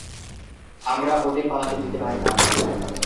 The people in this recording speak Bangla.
আমরা ওদের পালাতে দিতে পারি না!